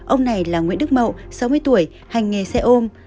ông này là nguyễn đức mậu sáu mươi tuổi hành nghề xe ôm